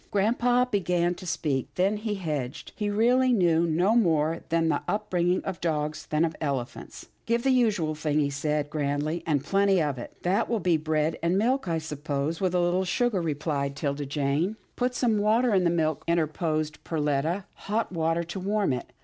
Grampa began to speak, then he hedged. He really knew no more about the up bringing of dogs than of elephants. " Give the usual thing," he said grandly, " and plenty of it." " That will be bread and milk, I suppose, with a little sugar," replied 'Tilda Jane. 110 'TILDA JANE'S ORPHANS " Put some water in the milk," interposed Per letta, " hot water to warm it.